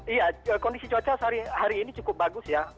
iya kondisi cuaca hari ini cukup bagus ya